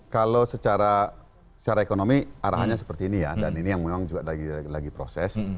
kalau secara ekonomi arahannya seperti ini ya dan ini yang memang juga lagi proses